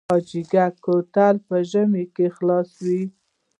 حاجي ګک کوتل په ژمي کې خلاص وي؟